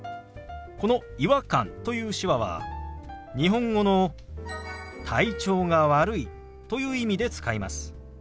この「違和感」という手話は日本語の「体調が悪い」という意味で使います。